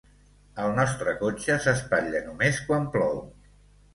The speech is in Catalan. El nostre cotxe s'espatlla només quan plou.